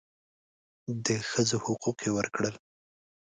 د ښځو حقوق یې ورکړل.